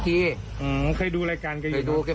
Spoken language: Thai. เชื่อไหมเหตุการณ์ที่เกิดขึ้น